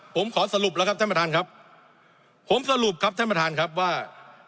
ผมขอสรุปแล้วครับท่านประธานครับผมสรุปครับท่านประธานครับว่า